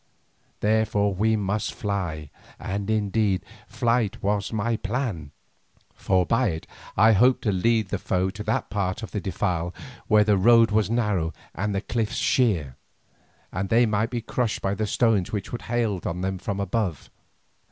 Therefore we must fly, and indeed, flight was my plan, for by it I hoped to lead the foe to that part of the defile where the road was narrow and the cliffs sheer, and they might be crushed by the stones which should hail on them from above.